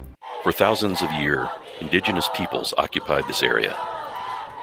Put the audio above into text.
For thousands of year, indigenous peoples occupied this area.